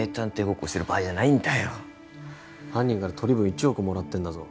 ごっこしてる場合じゃない犯人から取り分１億もらってんだぞ